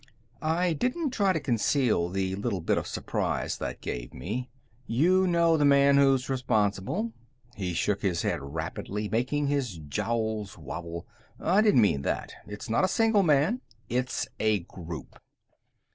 I didn't try to conceal the little bit of surprise that gave me. "You know the man who's responsible?" He shook his head rapidly, making his jowls wobble. "I didn't mean that. It's not a single man; it's a group."